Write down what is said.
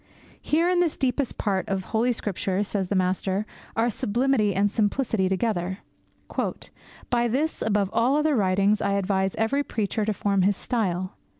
Here, in this deepest part of Holy Scripture, says the master, are sublimity and simplicity together. 'By this, above all other writings, I advise every preacher to form his style.